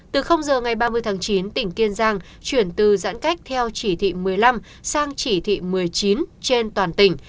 từ giờ ngày ba mươi tháng chín tỉnh kiên giang chuyển từ giãn cách theo chỉ thị một mươi năm sang chỉ thị một mươi chín trên toàn tỉnh